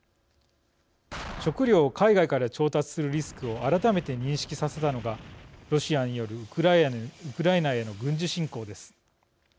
食料を海外から調達するリスクを改めて認識させたのがロシアによるウクライナへの軍事侵攻です。